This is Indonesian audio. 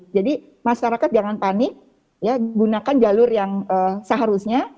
jadi masyarakat jangan panik gunakan jalur yang seharusnya